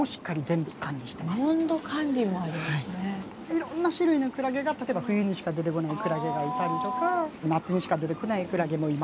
いろんな種類のクラゲが例えば冬にしか出てこないクラゲがいたりとか夏にしか出てこないクラゲもいますし。